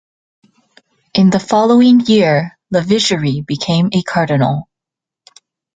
In the following year, Lavigerie became a cardinal.